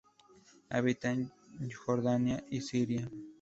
Habita en Jordania y Siria.